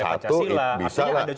satu bisa lah